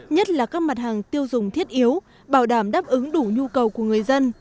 nhất là các mặt hàng tiêu dùng thiết yếu bảo đảm đáp ứng đủ nhu cầu của người dân